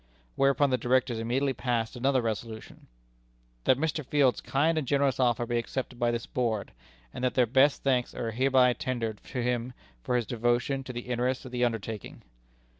Whereupon the Directors immediately passed another resolution: "That Mr. Field's kind and generous offer be accepted by this Board; and that their best thanks are hereby tendered to him for his devotion to the interests of the undertaking."